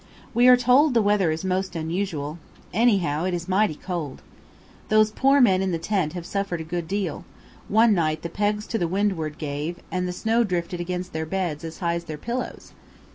We are told the weather is most unusual; anyhow, it is mighty cold. Those poor men in the tent have suffered a good deal; one night the pegs to the windward gave, and the snow drifted against their beds as high as their pillows.